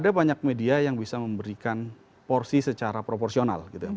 ada banyak media yang bisa memberikan porsi secara proporsional gitu ya